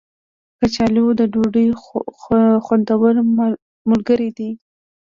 کچالو د ډوډۍ خوندور ملګری دی